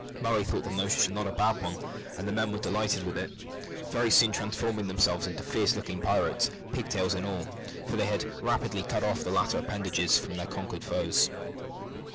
Murray thought the notion not a bad one, and the men were delighted with it, very soon transforming themselves into fierce looking pirates, pigtails and all, for they very rapidly cut off the latter appendages from their conquered foes.